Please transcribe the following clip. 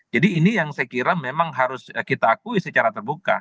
jadi ini yang saya kira memang harus kita akui secara terbuka